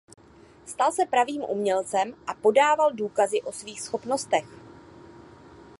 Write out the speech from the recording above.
Stal se pravým umělcem a podával důkazy o svých schopnostech.